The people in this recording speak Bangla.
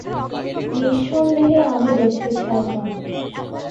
নিঃসন্দেহে আমি দেখতে চাইতাম।